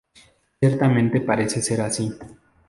Ciertamente parece ser así.